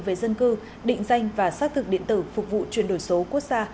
về dân cư định danh và xác thực điện tử phục vụ chuyển đổi số quốc gia